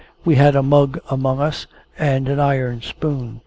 We had a mug among us, and an iron spoon.